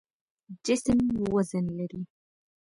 جسم وزن لري.